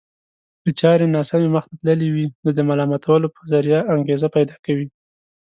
که چارې ناسمې مخته تللې وي نو د ملامتولو په ذريعه انګېزه پيدا کوي.